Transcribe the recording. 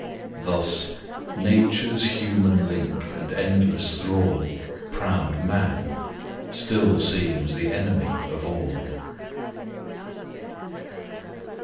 Thus nature's human link and endless thrall, Proud man, still seems the enemy of all.